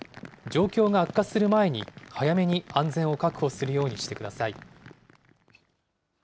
状況が悪化する前に、早めに安全を確保するようにしてください。